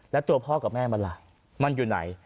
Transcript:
แล้วตัวพ่อกับแม่มันล่ะมันอยู่ไหน